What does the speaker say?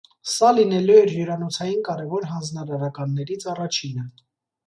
Սա լինելու էր հյուրանոցային կարևոր հանձնարարականներից առաջինը։